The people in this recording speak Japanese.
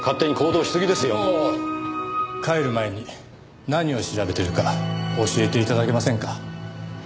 帰る前に何を調べてるか教えて頂けませんか？